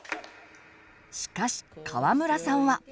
しかし川村さんは。